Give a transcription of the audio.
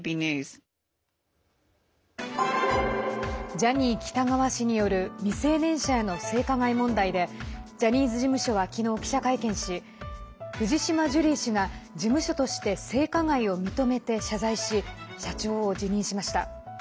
ジャニー喜多川氏による未成年者への性加害問題でジャニーズ事務所は昨日、記者会見し藤島ジュリー氏が、事務所として性加害を認めて謝罪し社長を辞任しました。